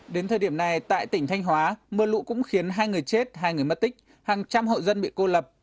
đến thời điểm này tại tỉnh thanh hóa mưa lũ cũng khiến hai người chết hai người mất tích hàng trăm hộ dân bị cô lập